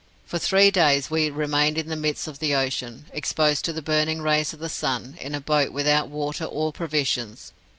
For three days we remained in the midst of the ocean, exposed to the burning rays of the sun, in a boat without water or provisions.